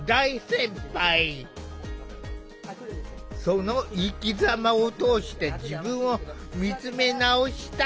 その生きざまを通して自分を見つめ直したい。